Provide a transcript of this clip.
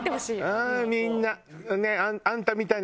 ああみんなねえ。